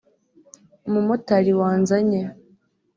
umumotari wanzanye